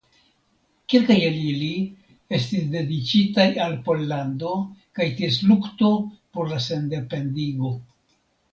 Kelkaj el ili estis dediĉitaj al Pollando kaj ties lukto por la sendependigo.